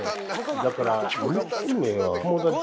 だから。